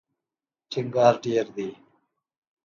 ټینګار ډېر دی.